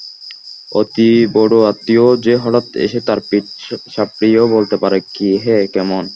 অতিবড়ো আত্মীয়ও যে হঠাৎ এসে তার পিঠ চাপড়িয়ে বলতে পারে কী হে, কেমন?